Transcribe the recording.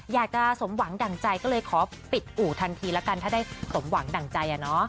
อยากจะสมหวังดั่งใจก็เลยขอปิดอู่ทันทีละกันถ้าได้สมหวังดั่งใจ